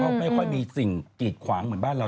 ก็ไม่ค่อยมีสิ่งกีดขวางเหมือนบ้านเรา